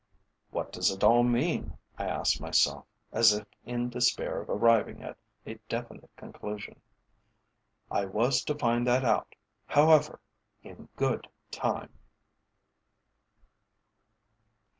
"What does it all mean?" I asked myself, as if in despair of arriving at a definite conclusion. I was to find that out, however, in good time!